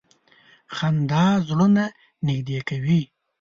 • خندا زړونه نږدې کوي.